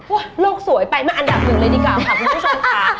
โลกสวยไปมาอันดับหนึ่งเลยดีกว่าค่ะคุณผู้ชมค่ะ